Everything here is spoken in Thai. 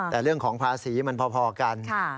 แต่เรื่องของภาษีมันพอกัน